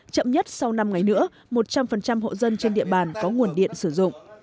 chậm nhất sau năm ngày nữa một trăm linh hộ dân trên địa bàn có nguồn điện sử dụng